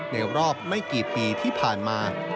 รอบไม่กี่ปีที่ผ่านมา